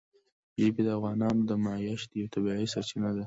ژبې د افغانانو د معیشت یوه طبیعي سرچینه ده.